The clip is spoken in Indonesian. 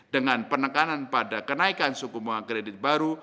dengan penekanan pada kenaikan suku bunga kredit baru